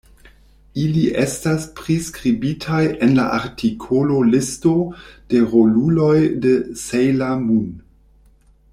Ili estas priskribitaj en la artikolo Listo de roluloj de "Sejla Mun".